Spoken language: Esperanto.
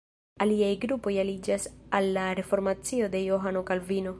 Aliaj grupoj aliĝas al la reformacio de Johano Kalvino.